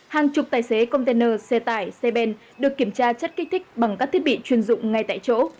hàng chục tài xế container xe tải xe ben được kiểm tra chất kích thích bằng các thiết bị chuyên dụng ngay tại chỗ